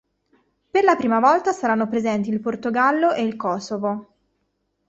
Per la prima volta saranno presenti il Portogallo e il Kosovo.